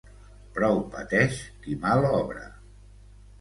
Prou pateix qui mal obra.